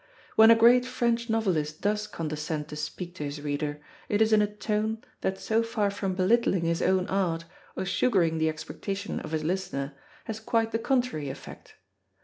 When a great French novelist does condescend to speak to his reader, it is in a tone, that so far from belittling his own art, or sugaring the expectation of his listener, has quite the contrary effect.